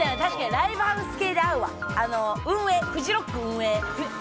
ライブハウス系でフジロック運営。